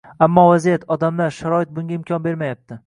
Ammo vaziyat, odamlar, sharoit bunga imkon bermayapti